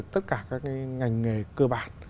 tất cả các ngành nghề cơ bản